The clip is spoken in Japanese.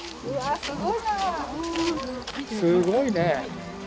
すごいね！